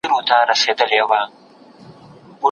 دغه حاجي چي دی د پوهني په مابينځ کي خورا لېوال دی.